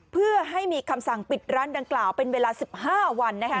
เพื่อให้มีคำสั่งปิดร้านดังกล่าวเป็นเวลา๑๕วัน